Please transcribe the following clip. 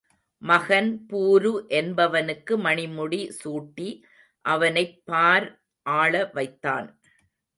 மகன் பூரு என்பவனுக்கு மணிமுடி சூட்டி அவனைப் பார் ஆள வைத்தான்.